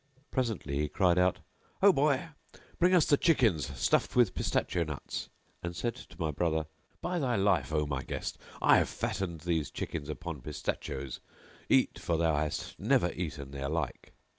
Presently he cried out, "Ho boy, bring us the chickens stuffed with pistachio nuts;" and said to my brother, "By thy life, O my guest, I have fattened these chickens upon pistachios; eat, for thou hast never eaten their like."